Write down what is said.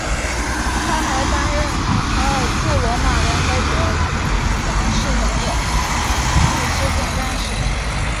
他还担任卡塔尔驻罗马联合国粮食农业组织总干事。